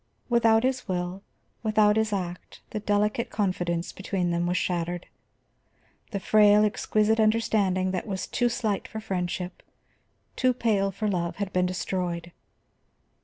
Without his will, without his act, the delicate confidence between them was shattered. The frail, exquisite understanding that was too slight for friendship, too pale for love, had been destroyed.